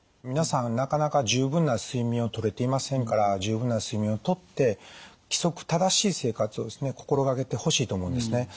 皆さんなかなか十分な睡眠をとれていませんから十分な睡眠をとって規則正しい生活をですね心がけてほしいと思うんですね。